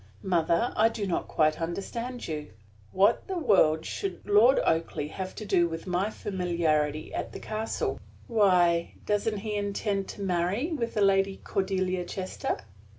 "Mother, I do not quite understand you. What the world should Lord Oakleigh have to do with my familiarity at the castle?" "Why, doesn't he intend to marry with the Lady Cordelia Chester?"